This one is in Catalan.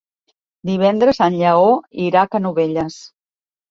Divendres en Lleó irà a Canovelles.